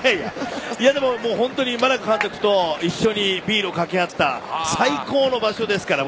でも、本当に真中監督と一緒にビールを掛け合った最高の場所ですから。